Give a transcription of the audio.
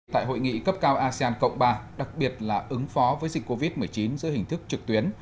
tại hội nghị cấp cao asean cộng ba đặc biệt là ứng phó với dịch covid một mươi chín giữa hình thức trực tuyến